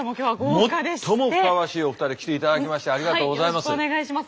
最もふさわしいお二人来ていただきましてありがとうございます。